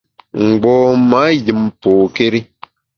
Mgbom-a yùm pôkéri.